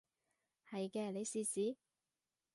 係嘅，你試試